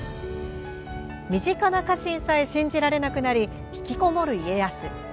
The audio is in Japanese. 身近な家臣さえ信じられなくなり引きこもる家康。